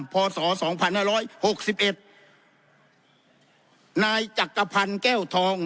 พศสองพันห้าร้อยหกสิบเอ็ดนายจักรพรรณแก้วทอง